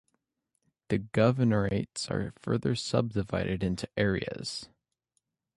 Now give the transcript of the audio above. The governorates are further subdivided into areas.